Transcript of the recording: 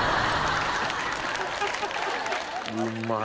うまい。